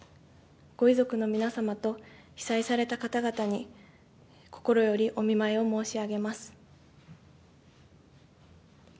ご遺族の皆様と被災された方々に、心よりお見舞いを申し上げます。